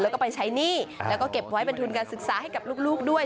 แล้วก็ไปใช้หนี้แล้วก็เก็บไว้เป็นทุนการศึกษาให้กับลูกด้วย